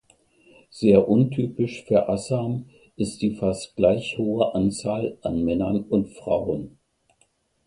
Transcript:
Sehr untypisch für Assam ist die fast gleich hohe Anzahl an Männern und Frauen.